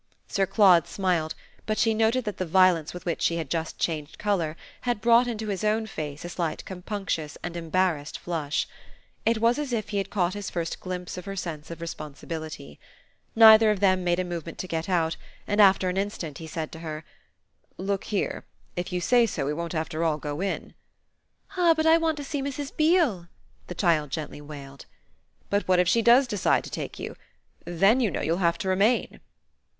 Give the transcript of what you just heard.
Sir Claude smiled, but she noted that the violence with which she had just changed colour had brought into his own face a slight compunctious and embarrassed flush. It was as if he had caught his first glimpse of her sense of responsibility. Neither of them made a movement to get out, and after an instant he said to her: "Look here, if you say so we won't after all go in." "Ah but I want to see Mrs. Beale!" the child gently wailed. "But what if she does decide to take you? Then, you know, you'll have to remain."